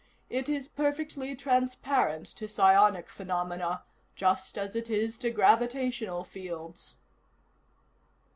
It is perfectly transparent to psionic phenomena, just as it is to gravitational fields."